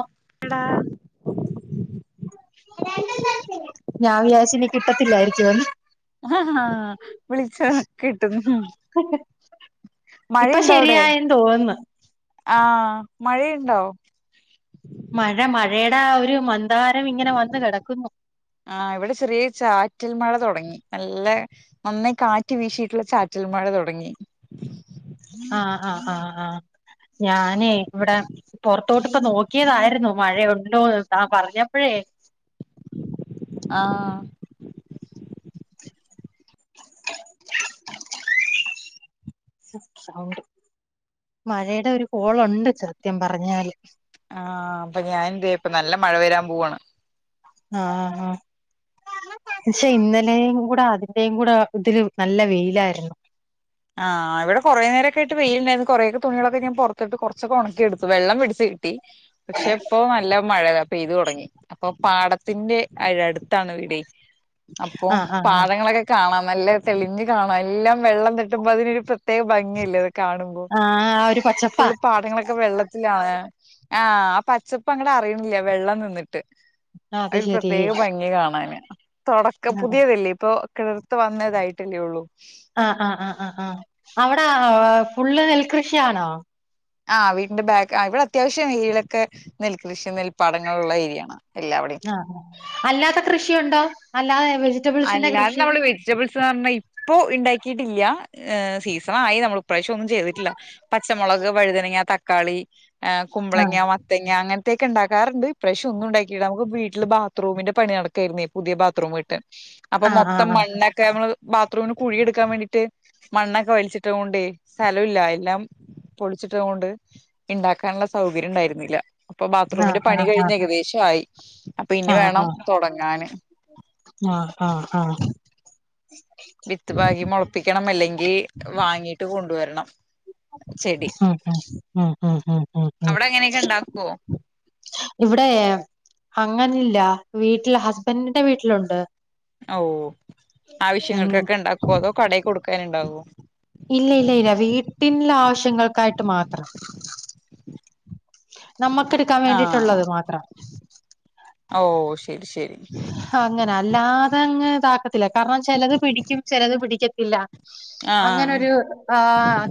O. എടാ. ഞാൻ വിചാരിച്ചു ഇനി കിട്ടത്തില്ലായിരിക്കുവന്ന്. അഹ വിളിച്ച കിട്ടുന്നു. ഇപ്പൊ മഴയുണ്ടോ അവിടെ ശരിയായെന്ന് തോന്നുന്നു. ആഹ് മഴയുണ്ടോ? മഴ മഴയുടെ ആഹ് ഒരു മന്താരം ഇങ്ങനെ വന്ന് കെടക്കുന്നു. ആഹ് ഇവിടെ ചെറിയ ചാറ്റൽ മഴ തുടങ്ങി നല്ല. നന്നായി കാറ്റ് വീശിയിട്ടുള്ള ചാറ്റൽ മഴ തുടങ്ങി. ആഹ് ആഹ് ആഹ് ആഹ് ഞാനേ ഇവിടെ പെറ് തോട്ട്ക്ക നോക്കിയതായിരുന്നു മഴയുണ്ടോന്ന് താ പറഞ്ഞപ്പഴേ. ആഹ്. സൗണ്ട്. മഴയുടെ ഒരു കോളുണ്ട് സത്യം പറ്ഞ്ഞാല്. ആഹ് അപ്പൊ ഞാനിന്ത് ഇപ്പ നല്ല മഴ വരാൻ പോവാണ്. ആ ആ പക്ഷെ ഇന്നലെയും കൂടെ അതിന്റെയും കൂടെ ഇതില് നല്ല വെയിലായിരുന്നു ആ ഇവിടെ കുറെ നേരൊക്ക ആയിട്ട് വെയിലുണ്ടായിരുന്നു കുറെ ഒക്ക തുണികളൊക്കെ ഞൻ പുറത്തിട്ട് കുറച്ചക്കെ ഉണക്കിടുത്തു പിടിച്ച് പക്ഷെ അപ്പൊ നല്ല മഴ പെയ്ത് തുടങ്ങി അപ്പൊ പാടത്തിന്റെ അടുത്താണ് വീടെ അപ്പോ ആഹ് ആഹ് പാടങ്ങളൊക്കെ കാണാം നല്ല തെളിഞ്ഞു കാണാം എല്ലാം വെള്ളം തെട്ടുമ്പോ അതിനൊരു പ്ര പ്രത്യേക ഭംഗില്ലേ അത് കാണുമ്പോ ആഹ് ആഹ് ആ ഒരു പച്ചപ്പാ ഫുള്ള് പാടങ്ങളൊക്കെ വെള്ള ല്ലാ ആ ആ പച്ചപ്പ് അങ്ങടെ അറിയണില്ല വെള്ളം നിന്നിട്ട് അത് അവര് ശരി പ്രത്യേക ഭംഗി കാണാന് തുടക്ക ആഹ് പുതിയ വല്ല ഇപ്പൊ കിടർത്ത് വന്നതായിട്ടല്ലേ ഉള്ളൂ ആ ആ ആ ആ ആ അവിടെ ഫുള്ള് നെൽകൃഷിയാണോ ആഹ് വീട്ടിന്റെ ബാക്ക് ഇവിടെ അത്യാവശ്യം ഏരിയയിലൊക്കെ നെൽകൃഷി നെൽപ്പാടങ്ങള ഉള്ള ഏരിയാണ് എല്ലാവിടെയും അല്ലാത്ത കൃഷിയുണ്ടോ അല്ലാെ അല്ലാതെ നമ്മള് വെജിറ്റബിൾസ്ന്ന് പറഞ്ഞാ ഇപ്പോ ഉണ്ടാക്കിട്ടില്ല സീസണായി നമ്മൾ ഇപ്രാവശ്യംന്നും ചെയ്തിട്ടില്ല പച്ചമുളക് വഴുതനങ്ങ തക്കാള ആഹ് കുമ്പളങ്ങ മ തങ്ങ അങ്ങനത്തൊക്കെ ണ്ടാക്കാറണ്ട് ഇപ്രാവശ്യം ഒന്നും ഉണ്ടാക്കിയില നമുക്ക് വീട്ടില് ബാത്റൂമിന്റെ പണി നടക്കായിരുന്നേ പുതിയ ബാത്റൂം കേട്ട അപ്പം ആഹ് മൊത്തം ആഹ് മണ്ണൊക്കെ നമ്മള് ബാത്റൂമിന് കുഴിയടുക്കാൻ വേണ്ടിട്ട് മണ്ണൊക്കെ വലിച്ചിട്ട കൊണ്ടേ സ്ഥല ഇല്ല എല്ലാം പൊളിച്ചിട്ട കൊണ്ട് ഉണ്ടാക്കാനുള്ള സൗകര്യം ഉണ്ടായിരുന്നില്ല പ്പോ ബാത്റൂമിന്റെ ആഹ് പണി കഴിഞ്ഞ് ഏകദേശം ആയി അപ്പൊ ഇനി ആഹ് വേണം ആഹ് തുടങ്ങാന് ആഹ് ആഹ് ആഹ് വിത്ത് പാകി മുളപ്പിക്കണം അല്ലെങ്കി വാങ്ങിട്ട് കൊണ്ടുവരണം ചെടി അ അ അ അ അ അവിടെ അങ്ങനെയൊക്കെ ഉണ്ടാക്കുവോ ഇവിടെ അങ്ങനല്ല വീട്ടില് ഹസ്ബന്റിന്റെ വീട്ടിലുണ്ട് ഔ ഉം ആവശ്യങ്ങൾക്കൊക്കെ ഇണ്ടാക്കോ അതോ കടയി കൊടുക്കാനുണ്ടാവോ ഇല്ല ഇല്ല ഇല്ല വീട്ടിന്റെ ആവശ്യങ്ങൾക്കായിട്ട് മാത്രം നമ്മക്കടുക്കാൻ വേണ്ടിയിട്ടുള്ളത് മാത്രം ഔ ശരി ശരി അങ്ങന അല്ലാതെ അങ്ങ് ഇതാക്കത്തില്ല കാരണം ചലത് പിടിക്കും ചലത് പിടിക്കത്തില്ല ആഹ് അങ്ങനോരു ആഹ്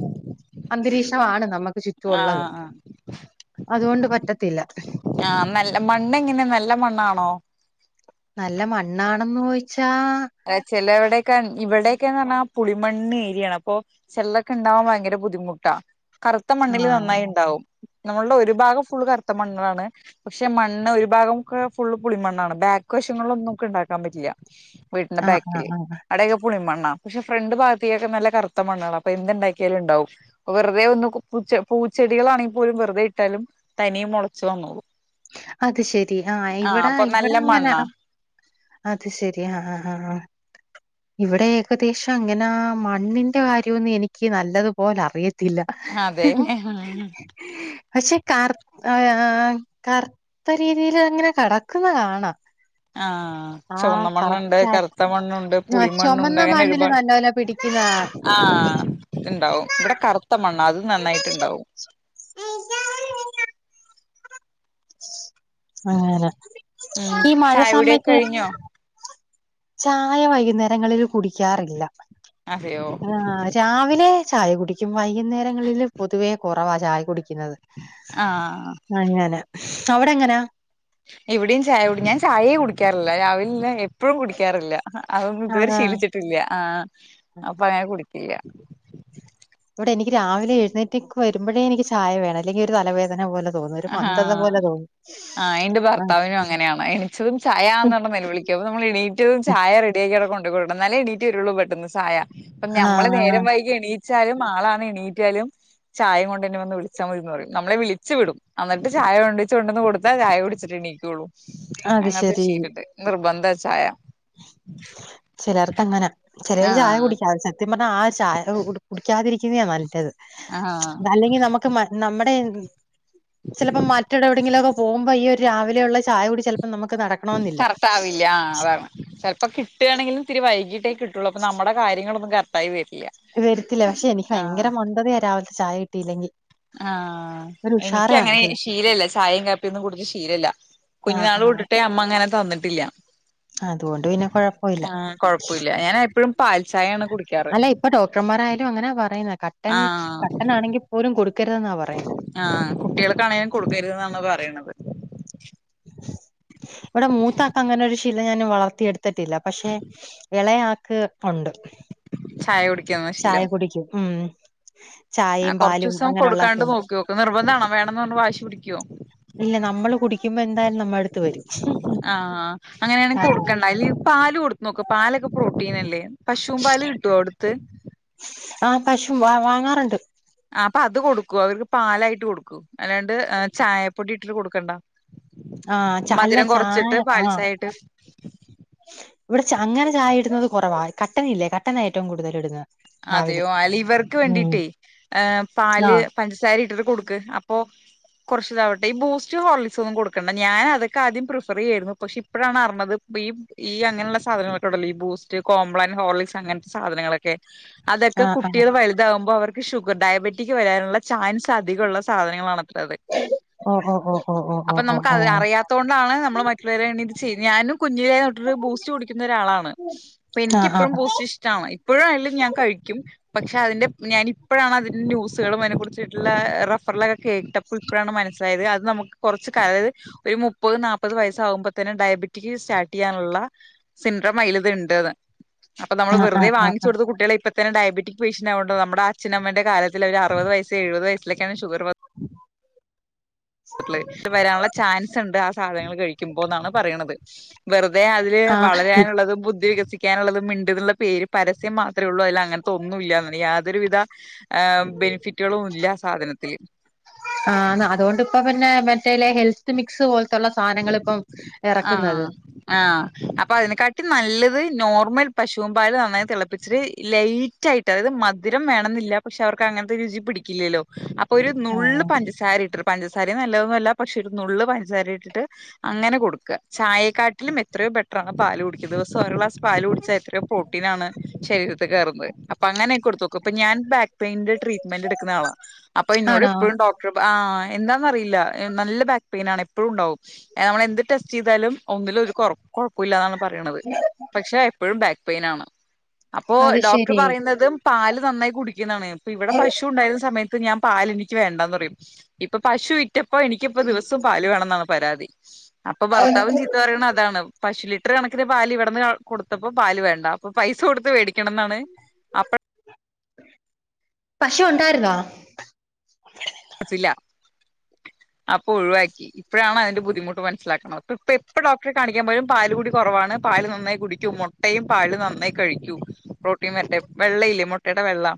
അന്തരീക്ഷമാണ് നമുക്ക് ചുറ്റുമുള്ളത് ആഹ് ആഹ് അതുകൊണ്ട് പറ്റത്തില്ല ആഹ് നല്ല മണ്ണ എങ്ങനെ നല്ല മണ്ണാണോ നല്ല മണ്ണാണെന്ന് ഓയിച്ചാ ചലവടൊക്കെ ഇവിടെയൊക്കന്ന് പറഞ്ഞ പുളിമണ്ണ് ഏരിയാണ് അപ്പൊ ചെള്ളക്കെ ഉണ്ടാവാൻ ഭയങ്കര ബുദ്ധിമുട്ടാ കറുത്ത മണ്ണില് ആഹ്. നന്നായി ഉണ്ടാവും നമ്മളുടെ ഒരു ഭാഗം ഫുൾ കറുത്ത മണ്ണുകളാണ് പക്ഷെ മണ്ണ് ഒരു ഭാഗം ഒക്കെ ഫുള് പുളിമണ്ണാണ് ബാക്ക് വശങ്ങളൊന്നും ക്ക് ഇണ്ടാക്കാൻ പറ്റില്ല വീട്ടിന്റെ ആഹ് ആഹ് ബാക്കില് ആഹ് അടയൊക്കെ പുളിമണ്ണാ പക്ഷെ ഫ്രണ്ട് ഭാഗത്തേക്ക് നല്ല കറുത്ത മണ്ണുകള അപ്പൊ എന്തുണ്ടാക്കിയാലും ണ്ടാവും വെറുതെ ഒന്ന് പൂച്ച പൂച്ചെടികളാണെങ്കിൽ പോലും വെറുതെ ഇട്ടാലും തനിയെ മുളച്ചു വന്നോളും അത് ശെരി ആഹ് ആ ഇവിടെ അപ്പൊ ഇവിടെ നല്ല അങ്ങനെ മണ്ണാ അത് ശരി ആഹ് ആഹ് ഇവിടെ ഏകദേശം അങ്ങന മണ്ണിന്റെ കാര്യംന്ന് എനിക്ക് നല്ലതുപോലെ അറിയ ത്തില്ല അതെ പക്ഷെ കർ കറുത്ത രീതിൽ അങ്ങന കടക്കുന്ന കാണാം ആഹ് ആഹ് ചുവന്നമണ്ണുണ്ട് കറക്റ്റ് ആയിട്ട് കറുത്ത മണ്ണുണ്ട് ആഹ് പുളിമണ്ണുണ്ട് ചൊമന്ന അങ്ങനെ മണ്ണില് ഒരുപാട് നല്ലപോലെ പിടിക്കുന്ന ആഹ് ഉണ്ടാവും ഇവിടെ കറുത്ത മണ്ണ അത് നന്നായിട്ട്ണ്ടാവും [unintelligible] ഉം [unintelligible] ഈ മഴ ചായകുടിയൊക്കെ സമയത്ത് കഴിഞ്ഞോ ചായ വൈകുന്നേരങ്ങളിൽ കുടിക്കാറില്ല അതെയോ ആഹ് രാവിലെ ചായ കുടിക്കും. വൈകുന്നേരങ്ങളില് പൊതുവേ കൊറവാ ചായ കുടിക്കുന്നത് ആഹ് അങ്ങന അവിടെങ്ങന ഇവിടെയും ചായ കുടി, ഞാൻ ചായേ കുടിക്കാറില്ല. രാവിലെല്ല എപ്പൊഴും കുടിക്കാറില്ല അതൊന്നും ഇതുവരെ അതാ ശീലിച്ചിട്ടില്യ. ആഹ് അപ്പൊ അങ്ങനെ കുടിക്കില്യ. ഇവിടെ എനിക്ക് രാവിലെ എഴുന്നേറ്റേക്ക് വരുമ്പഴേ എനിക്ക് ചായ വേണം. അല്ലെങ്കിൽ ഒരു തലവേദന പോലെ തോന്നും. ഒരു മന്ദത ആഹ് പോലെ തോന്നും ആഹ് എന്റെ ആഹ് ഭർത്താവിനും അങ്ങനെയാണ് എണിച്ചതും ചായാന്ന് പറഞ്നെല വിളിക്കും. അപ്പോ നമ്മൾ എണീറ്റതും ചായ റെഡിയാക്കിഅവ്ടെ കൊണ്ട് കൊടുക്കണം. ന്നാലെ എണീ റ്റ് വരുള്ളു ബെഡ്‌ന്ന് ച്ചായ പ്പ ഞമ്മള് ആഹ് നേരം വൈകി എണീ ച്ചാലും ആളാണ് എണീറ്റാലും ചായേം കൊണ്ട് ന്നെ വന്ന് വിളിച്ചാ മതിന്ന് പറയും. നമ്മളെ വിളിച്ചു വിടും അന്നിട്ട് ചായ ഉണ്ടച്ച് കൊണ്ടന്ന് കൊടുത്താ ചായ കുടിച്ചിട്ടെണീക്കുള്ളൂ. അത് അങ്ങൻത്തെരു ശരി ശീലണ്ട് നിർബന്ധ ചായ ചിലർക്ക് അങ്ങന. ചെലര് ചായ ആഹ് കുടിക്കാതെ, സത്യം പറഞ്ഞാ ആ ചായ കുടിക്കാതിരിക്കുന്നയാ നല്ലത് ആഹ് അല്ലങ്കി നമ്മക്ക് മ നമ്മടെ ചെലപ്പം മറ്റിട എവിടെങ്കിലൊക്കെ പോകുമ്പം ഈ ഒരു രാവിലെയുള്ള ചായ കുടി ചെൽപ്പം നമുക്ക് നടക് കറക്ട്ടാവില്യ ആഹ് അതാണ് ചെൽപ്പോ കിട്ടാണെങ്കിലും ഇത്തിരി വൈകീട്ടേ കിട്ടുള്ളൂ. അപ്പ നമ്മുടെ കാര്യങ്ങളൊന്നും കറക്റ്റായി വരില്യ വരത്തില്ല. പക്ഷെ എനിക്ക് ഭയങ്കര മന്തതയാ രാവിൽത്തെ ചായ കിട്ടിയില്ലെങ്കി ആഹ് എനിക്കങ്ങനെ ശീലല്ല, ചായയും കാപ്പിയൊന്നും കുടിച്ച് ശീലല്ല. കുഞ്ഞു ആഹ് നാള് ആഹ് തൊട്ടിട്ടേ അമ് മ്മ അങ്ങനെ തന്നിട്ടില്ല അതുകൊണ്ട് പിന്നെ കൊഴപ്പവില്ല പ്പുല്ല. ഞാൻ എപ്പഴും പാൽചായയാണ് കുടി അല്ല ഇപ്പൊ ഡോക്ടർമാരായാലും അങ്ങനാ പറയുന്നെ. കട്ടൻ ആഹ് കട്ടനാണെങ്കിൽ പോലും കൊടുക്കരുതെന്നാ പറയുന്നെ ആഹ് കുട്ടികൾക്കാണെങ്കിലും കൊടുക്കരുതെന്നാണ് പറയ്ണത് വടെ മൂത്താക്ക് അങ്ങനെ ഒരു ശിലം ഞാൻ വളർത്തിയെട് ത്തിട്ടില്ല. പക്ഷെ എളയാക്ക് ഉണ്ട് ചായ കുടിക്കുന്ന ശീലം ചായകുടിക്കും ഉം ആഹ് ചായയും പാലും കൊറച്ചൂസം അങ്ങനെയുള്ളൊക്കെ കൊടുക്കാണ്ട് ഉണ്ട് നോക്യോക്ക്. നിർബന്ധാണോ വേണന്ന് പറഞ്ഞ് വാശി പിടിക്യോ ഇല്ല നമ്മള് കുടിക്കുമ്പ എന്തായാലും നമ്മളടുത്ത് വരും ആഹ് അങ്ങനെയാണെ കൊടുക്കണ്ട. ഇല്ലെങ്കി പാല് കൊടുത്ത് നോക്ക് പാലൊക്കെ പ്രോട്ടീനല്ലേ പശും പാല് കിട്ടോ അടുത്ത് ആഹ് പശും വാ വാങ്ങാറ്ണ്ട് ആഹ് അപ്പം അത് കൊടുക്കു. അവർക്ക് പാലായിട്ട് കൊടുക്കു. അല്ലാണ്ട് ചായപ്പൊടി ഇട്ടിട്ട് കൊടുക്കണ്ട ആ ച അല്ല മധുരം ചായ കൊറച്ചിട്ട് ആ പാൽചായായിട്ട് ഇവിടെ ച അങ്ങനെ ചായ ഇടുന്നത് കൊറവാ. കട്ടനില്ലേ കട്ടനാ ഏറ്റവും കൂടുതൽ ഇടുന്നത് രാവിലെ അതെയോ. അല്ല ഇവർക്ക് ഉം വേണ്ടീട്ടേ ആ പാല് പഞ്ചസാര ഇട്ടിട്ട് കൊടുക്ക്. അപ്പൊ കൊറച്ച്താവട്ടെ. ഈ ബൂസ്റ്റ്‌ ഹോർളിസൊന്നും കൊടുക്കണ്ട, ഞാൻ അതൊക്കെ ആദ്യം പ്രിഫറെയ്യായിരുന്നു. പക്ഷെ ഇപ്പളാണ് അറിഞ്ഞത് ഈ ഈ അങ്ങനെയുള്ള സാധനങ്ങളൊക്കെ ഉണ്ടല്ലോ ഈ ബൂസ്റ്റ് കോംപ്ലാൻ ഹോർളിക്സ് അങ്ങൻത്തെ സാധനങ്ങളൊക്കെ അതെക്കെ ആ ആ കുട്ടിയള് വൽ വൽതാകുമ്പം അവർക്ക് ഷുഗർ ഡയബറ്റിക് വരാനുള്ള ചാൻസ് അധികുള്ള സാധനങ്ങളാണത്രേ അത് ഓ ഓ ഓ ഓ ഓ ഓ അപ്പം ഓ നമുക്ക് ഓ അത് അറിയാത്തോണ്ടാണ് നമ്മള് മറ്റുള്ളവരെ [unintelligible] ഞാനും കുഞ്ഞിലേ തൊട്ട്ട്ട് ബൂസ്റ്റ് കുടിക്കുന്ന ഒരാളാണ്. അപ്പൊ ആ ആ എനിക്കിപ്പളും ബൂസ്റ്റ് ഇഷ്ടാണ്. ഇപ്പഴും അ ഞാൻ കഴിക്കും. പക്ഷെ അതിന്റെ ഞാനിപ്പഴാണ് അതിന്റെ ന്യൂസുകളും അയിനെ കുറിച്ചിട്ടുള്ള റഫറൽ കേട്ടപ്പം ഇപ്പഴാണ് മനസ്സിലായത്. അത് നമുക്ക് കൊറച്ച് കഴി അതായത് ഒരു മുപ് പ്പത് നാല്പ്പത് വയസ്സാകുമ്പതേന് ഡയബറ്റിസ് സ്റ്റാർട്ടെയ്യാനുള്ള സിൻഡ്രം അയില് ത് ഇണ്ട്ന്ന് അപ്പൊ നമ്മള് ആ ആ വെറുതെ ആ വാങ്ങിച്ച് കൊടുത്ത് കുട്ടികളെ ഇപ്പതന്നെ ഡയബറ്റിക് പേഷ്യൻ്റ് ആവണ്ട നമ്മള അച്ഛനമ്മന്റെ കാലത് ത്തില് ഒര് അറുപത് വയസ്സ് എഴുപത് വയസ്സിലൊക്കെയാണ് ഷുഗർ വന് [inaudible] വരാനുള്ള ചാൻസ് ഇണ്ട് ആ സാധനങ്ങൾ കഴികുബോ ന്നാ പറയുന്നത് വെറുതേ ആ ഇ വളരാനുള്ളതും ബുദ്ധി വികസി സിപിക്കാനുള്ളതും മിണ്ട്ന്നുള്ള പേര് പരസ്യം മാത്രേള്ളൂ അയില് അങ്ങനത്തെ ഒന്നും ഇല്ല യാതൊരുവിധ ഏ ബെനിഫിറ്റുകളും ഇല്ല സാധനത്തില് ആന്ന് അതൊണ്ട് ഇപ്പം പിന്നെ മറ്റേലെ ഹെൽത്ത് മിക്സ് പോലത്തുള്ള സാനങ്ങൾ ഇപ്പം ഇറക്കുന്നത് ആഹ് ആഹ് അപ്പം അതിനെ കാട്ടിം നല്ലത് നോർമൽ പശുവും പാൽ നന്നായി തിളപ്പിച്ചിട്ട് ലൈറ്റ് ആയിട്ട് അതായത് മധുരം വേണെന്നില്ല പക്ഷെ അവർക്ക് അങ്ങനത്തെ രുചി പിടിക്കില്ലല്ലോ അപ്പൊ ഒരു ആ നുള്ള് പഞ്ചസാര ഇട്ടിട്ട് പഞ്ചസാരെം നല്ലയൊന്നുല്ല പക്ഷെ ഒരു നുള്ള് പഞ്ചസാര ഇട്ടിട്ട് അങ്ങനെ കൊടുക്ക ചായയേക്കാട്ടിലും എത്രയോ ബെറ്ററാണ് പാല് കുടിക്കുന്നെ ദിവസം ഒരോ ഗ്ലാസ് പാല് കുടിച്ച എത്രയൊ പ്രോട്ടീനാണ് ശരീരത്ത് കേറുന്നത് അപ്പൊ അങ്ങനൊക്കെ കൊടുത്തോ ഞാൻ ബാക്ക് പെയിന്റെ ട്രീമെന്റ്ടുക്കുന്ന ആളാ അപ്പൊ ഇന്നോട് ആണോ എപ്പയും ഡോക് ആഹ് എന്താന്നറിയില്ല നല്ല ബാക്ക് പെയിൻ ആണ് എപ്പഴും ഇണ്ടാവും നമ്മള് എന്ത് ടെസ്റ്റ് ചെയ്താലും ഒന്നിലും ഒരു കൊറ കുഴപ്പൂല്ലാന്നാണ് പറയ്ണത് പക്ഷെ എപ്പോഴും ബാക്ക് പെയിനാണ് അപ്പോ അത് ഡോക്ടർ ശരി പറയന്നതും പാല് നന്നായി കുടിക്ക കുടിക്ക്ന്നാണ് ഇപ്പം ഇവിടെ പശു ഉണ്ടായിരുന്ന സമയത്ത് ഞാൻ പാല് എനിക്ക് വേണ്ടാന്ന് പറയും ഇപ്പൊ പശു വിറ്റ് റ്റപ്പോ എനിക്കിപ്പോ ദിവസവും പാല് വേണെന്നാണ് പരാതി അപ്പൊ ഭർത്താവും ചീത്ത പറയണ അതാണ് പശു ലിറ്റർ കണക്കിന് പാല് ഇവിടുന്ന് കൊടുത്തപ്പോ പാല് വേണ്ട അപ്പൊ പൈസ കൊടുത്ത് മേടിക്കണംന്നാണ് പശു ഉണ്ടായിരുന്നോ ഇല്ല അപ്പൊ ഒഴിവാക്കി ഇപ്പോഴാണ് അതിന്റെ ബുദ്ധിമുട്ട് മനസിലാക്കുന്നത് അപ്പ ഇപ്പ എപ്പോ ഡോക്ടറെ കാണിക്കൻ പോയാലും പാല് കൂടി കുറവാണ് പാല് നന്നായി കുടിക്കൂ മൊ ട്ടയും പാലും നന്നായി കഴിക്കൂ പ്രൊ കുട്ടിയ മറ്റേ വെള്ളയില്ലേ മുട്ടയുടെ വെള്ള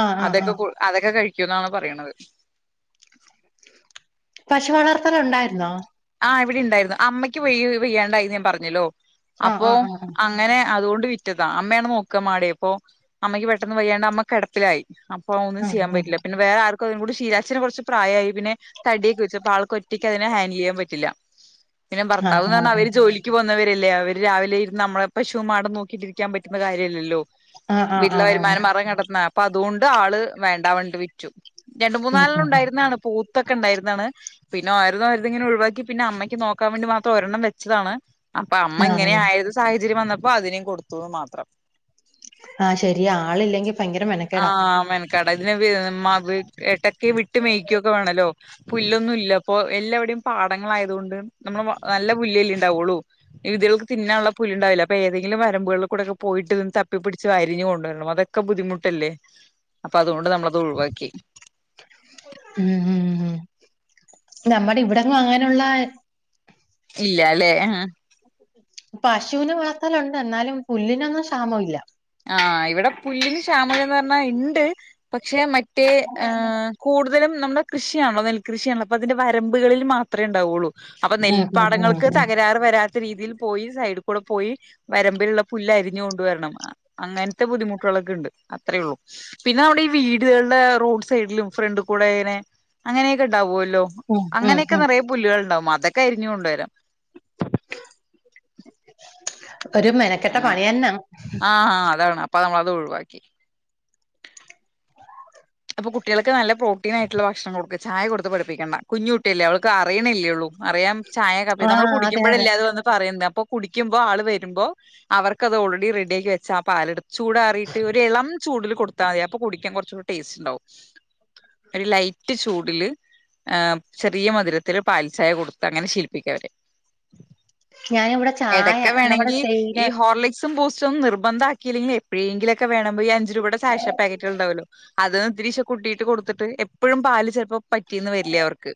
ആ ആ ആ അതൊക്കെ അതൊക്കെ കഴിക്കുന്നാണ് പറയ്ണത് [unintelligible] പശു വളർത്തല് ഉണ്ടായിരുന്നോ ആ ഇവിടെണ്ടായിരുന്നു അമ്മക്ക് വ വെയ്യാണ്ടായിന്ന് ഞാൻ പറഞ്ഞല്ലോ ആ അപ്പോ ആ ആ ആ അങ്ങനെ അതുകൊണ്ട് വിറ്റതാ അമ്മയാണ് നോക്ക മാടെ അപ്പോ അമ്മക്ക് പെട്ടെന്ന് വയ്യാണ്ട് അമ്മ കെടപ്പ പ്പിലായി അപ്പൊ ഒന്നും ആ ചെയ്യാൻ പറ്റില്ല പിന്നെ വേറെ ആർക്കും അച്ഛന്ന് കുറച്ച് പ്രായമായി പിന്നെ തടിയൊക്കെ വെച്ചു അപ്പോ ആൾ കൊറ്റയ്ക്ക് അതിനെ ഹാൻഡിൽ ചെയ്യാൻ പറ്റില്ല പിന്നെ ആ ആ ഭർത്താവ്ന്ന് പറഞ്ഞാ അവര് ജോലി ജോലിക്ക് പോന്നവരല്ലേ അവര് രാവിലെ ഇന്ന് നമ്മളെ പശു മാടും നോക്കിട്ടിരിക്കാൻ പറ്റുന്ന കാര്യല്ലല്ലോ ആ ആ ആ വീട്ടിലെ ആ വരുമാനം മാർഗം കണ്ടെത്തുന്ന അപ്പൊ അതുകൊണ്ട് ആള് വേണ്ട പറഞ്ഞട്ട് വിറ്റു രണ്ട് ഉം ഉം മൂന്നാലെണ്ണം ഉം ഇണ്ടായിരുന്നതാണ് പോത്ത് ഒക്കെ ഉണ്ടായിരുന്നതാണ് പിന്നെ ഓരോന്നോരോന്ന് ഒഴിവാക്കി ഇങ്ങനെ ഒഴിവാക്കി പിന്നെ അമ്മയ്ക്ക് നോക്കാൻ വേണ്ടി മാത്രം ഒരെണ്ണം വെച്ചതാണ് അപ്പൊ അമ്മ ആ ഇങ്ങനെ ആയത് സാഹചര്യം വന്നപ്പോ അതിനേം കൊടുത്തുന്ന് മാത്രം ആ ശരിയാ ആളില്ലെങ്കിൽ ആ മേനക്കേടാ ഇതിനെ എടക്ക്‌ വിട്ട് മേയ്ക്കുവൊക്കെ വേണല്ലോ പുല്ലൊന്നും ഇല്ല അപ്പൊ എല്ലാവവിടെയും പാടങ്ങള് ആയതുകൊണ്ട് നമ്മള് നല്ല പുല്ല്ല്ലേ ഉണ്ടാവുള്ളൂ ഇതിൾക്ക് തിന്നാനുള്ള പുല്ല് ഇണ്ടാവില്ല അപ്പൊഏതങ്കിലും വരമ്പുകളിൽ കൂടെക്ക പോയിട്ട് നിന്ന് തപ്പി പ്പിടിച്ച് അരിഞ്ഞു കൊണ്ടുവരണം അത് ഒക്കെ ബുദ്ധിമുട്ടല്ലേ അപ്പൊ അതുകൊണ്ട് നമ്മളത് ഒഴിവാക്കി ഉം ഉം ഉം നമ്മുടെ ഇവിടെങ്ങും അങ്ങനുള്ള ഇല്ല ലെ പശുവിനെ വളർത്തലുണ്ട് എന്നാലും പുല്ലിനൊന്നും ക്ഷാമം ഇല്ല ആ ഇവിടെ പുല്ലിന് ക്ഷാമഇല്ലന്ന് പറഞ്ഞാ ഉണ്ട് പക്ഷെ മറ്റേ ആ കൂടുതലും നമ്മുടെ കൃഷിയാണല്ലൊ നെൽകൃഷിയാണല്ല അപ്പോ അതിന്റെ വരമ്പുകളിൽ മാത്രമേ ഉണ്ടാവയുള്ളൂ അപ്പൊ ഉം ഉം ഉം നെൽപ്പാടങ്ങൾക്ക് ഉം തകരാറ് വരാ വരാത്തരീതിയിൽ പോയി സൈഡിൽ കൂടെ പോയി വരമ്പിലുള്ള പുല്ല് അരിഞ്ഞ് കൊണ്ടുവരണം അങ്ങനത്തെ ബുദ്ധിമുട്ടുകളൊക്കെ ഉണ്ട് അത്രേ ഉള്ളു പിന്നെ നമ്മടെ ഈ വീടുകളുടെ റോഡ് സൈഡിലും ഫ്രണ്ട് കൂടെ ഇങ്ങനെ അങ്ങനെയൊക്കെ ഉണ്ടാവുല്ലോ ഉം ഉം അങ്ങനെയൊക്കെ ഉം നിറയേ പുല്ലുകൾണ്ടാവും അതൊക്കെ അരിഞ്ഞ് കൊണ്ടുവരാം ഒരു മെനക്കെട്ട പണി തന്നാ ആ ഹ അതാണ് പ്പൊ നമ്മളത് ഒഴിവാക്കി അപ്പൊ കുട്ടികൾക്ക് നല്ല പ്രോട്ടീനാ യിട്ടുള്ള ഭക്ഷണം കൊടുക്ക. ചായ കൊടുത്ത് പഠിപ്പിക്കേണ്ട. കുഞ്ഞു കുട്ടിയല്ലേ അവൾക്ക് അറിയിണി ല്ലേ ഉള്ളൂ. അറിയാം ചായ കപ്പി നമ്മള് ആഹ് അതെ അതെ കുടിക്ക്മ്പഴല്ലെ അത് വന്ന് പറയുന്നത് അപ്പൊ കുടിക്കുമ്പോ ആള് വരുമ്പോ അവർക്കത് ഓൾറ ഡി റെഡിയാക്കി വെച്ചാ ആ പാലെടുത്ത് ചൂടാറിയിട്ട് ഒരു ഇളം ചൂടില് കൊടുത്താ മതി അപ്പൊ കുടിക്കാൻ കുറച്ച് കൂടി ടേസ്റ്റ് ഉണ്ടാവും ഒരു ലൈറ്റ് ചൂടില് ആം. ചെറിയ മധുരത്തിത്തില് പാൽചായ കൊടുത്ത് അങ്ങനെ ശീലിപ്പിക്കവരെ ഞാനിവിടെ ചായ നമ്മുടെ തേയില സും ബൂസ്റ്റും നിർബന്ധാ ക്കിയില്ലെങ്കില് എപ്പഴേങ്കിലൊക്കെ വേണം ഈ അഞ്ച് രൂപയുടെ സാഷ പാക്കറ്റുകളുണ്ടാവല്ലോ അത് ഇത്തരിഷേ കുട്ടീട്ട് കൊടുത്തിട്ട് എപ്പഴും പാല് ചെലപ്പോ പറ്റീന്ന് വരില്ല്യ അവർക്ക്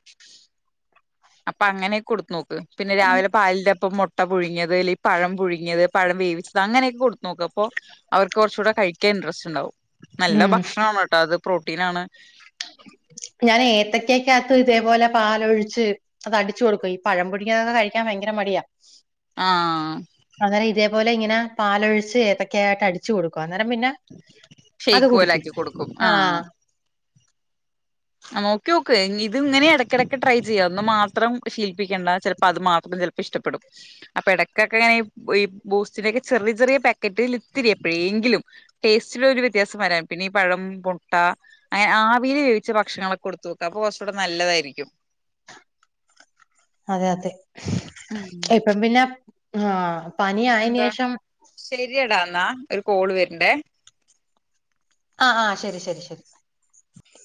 അപ്പൊ അങ്ങനെക്കെ കൊടുത്തു നോക്ക് പിന്നെ രാവിലെ പാലിന്റപ്പം മുട്ട് ട്ട പുഴുങ്ങിയത് അല്ലെങ്കി പഴം പുഴുങ്ങിയത് പഴം വേവിച്ചത് അങ്ങനെയൊക്കെ കൊടുത്തു നോക്കുക പ്പൊ അവർക്ക് കുറച്ചുടെ കഴിക്കാൻ ഇൻട്രസ്റ്റ് ഉണ്ടാാവും നല്ല ഉം ഭക്ഷണാ ണട്ടൊ അത് പ്രോട്ടീനാണ് ഞാൻ ഏത്തക്കയക്കകത്തു തേപോലെ പാലൊഴിച്ച് അത് അടിച്ചു കൊടുക്കു, ഈ പഴം പുഴുങ്ങിയതൊക്കെ കഴിക്കാൻ ഭയങ്കര മടിയാ. ആആഹ്... അന്നേരം ഇതെപോലെ ഇങ്ങനെ പാലൊഴിച്ച് ഏത്തൊക്കെയായിട്ട് അടിച്ചു കൊടുക്കും അന്നേരം പിന്നെ. അത് ഷെയ്ക്ക് കുടിക്കും. പോലാക്കി കൊടുക്കും ആഹ്. നേക്കിയോക്ക് ഇഞ്ഇത് ഇങ്ങനെ എടക്കെടക്ക് ട്രൈ ചെയ്യഒന്ന് മാത്രം ശീൽപ്പിക്കേണ്ട. ചെലപ്പോ അത് മാത്രം ചെൽപ്പോ ഇഷ്ടപ്പെടും. അപ്പൊ എടക്കൊക്കെങ്ങനെ ഇ ഈ ബൂസ്റ്റിലെക്കെ ചെറിയ ചെറിയ പേ ക്കറ്റില് ഇത്തിരി എപ്പഴേങ്കിലും. ടേസ്റ്റില് ഒരു വ്യത്യാസം വെരാം പിന്നെ ഈ പഴം, പൊട്ട, അനെ ആവീല് വേവ് ച്ച ഭക്ഷണങ്ങളൊക്കെ കൊടുത്തോക്കുക അപ്പൊ കുറച്ചൂടെ നല്ലതായിരിക്കും. അതെ അതെ. [unintelligible] അമ്. പം പിന്നെ ഹാഹ് പിന്നെന്താ, ശരിയെടാ ന്നാ ഒരു കോള് വര്ണ്ടേ. അ ആ ശെരി, ശെരി, ശെരി.